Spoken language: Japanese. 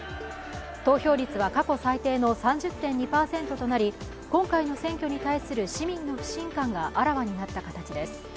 投票率は過去最低の３０．２％となり今回の選挙に対する市民の不信感があらわになった形です。